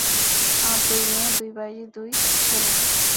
আর দুই মেয়ে, দুই ভাইঝি, এক ছেলে।